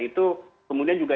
itu kemudian juga